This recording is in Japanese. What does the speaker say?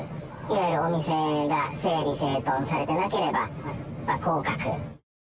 お店が整理整頓されてなければ、降格。